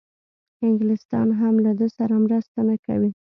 انګلیسیان هم له ده سره مرسته نه کوي.